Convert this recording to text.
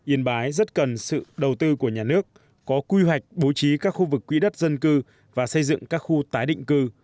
yên bái rất cần sự đầu tư của nhà nước có quy hoạch bố trí các khu vực quỹ đất dân cư và xây dựng các khu tái định cư